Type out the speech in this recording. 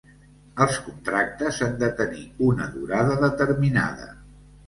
Els contractes han de tenir una durada determinada.